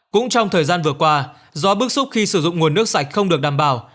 cũng trong thời gian vừa qua do bức xúc khi sử dụng nguồn nước sạch không được đảm bảo